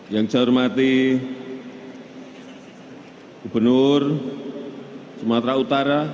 yang saya hormati gubernur sumatera utara